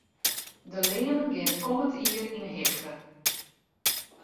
De leanen geane kommend jier yn 'e hichte.